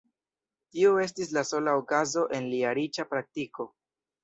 Tio estis la sola okazo en lia riĉa praktiko.